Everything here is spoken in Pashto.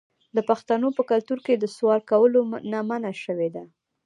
د پښتنو په کلتور کې د سوال کولو نه منع شوې ده.